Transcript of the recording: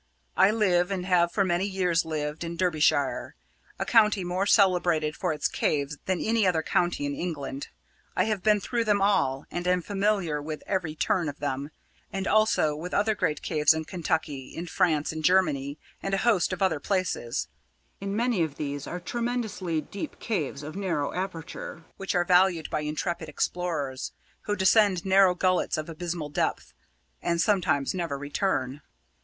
I live, and have for many years lived, in Derbyshire, a county more celebrated for its caves than any other county in England. I have been through them all, and am familiar with every turn of them; as also with other great caves in Kentucky, in France, in Germany, and a host of other places in many of these are tremendously deep caves of narrow aperture, which are valued by intrepid explorers, who descend narrow gullets of abysmal depth and sometimes never return.